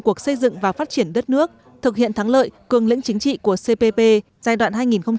cuộc xây dựng và phát triển đất nước thực hiện thắng lợi cường lĩnh chính trị của cpp giai đoạn